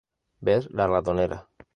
Ver La ratonera